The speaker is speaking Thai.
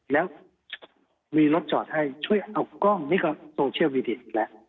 แล้วมีรถจอดให้ช่วยเอากล้องนี่ก็โซเชียลวีดีแล้ว